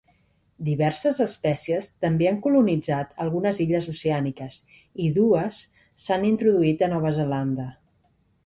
Diverses espècies també han colonitzat algunes illes oceàniques, i dues s'han introduït a Nova Zelanda.